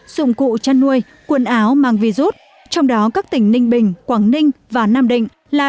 dụng cụ chăn nuôi quần áo mang vi rút trong đó các tỉnh ninh bình quảng ninh và nam định là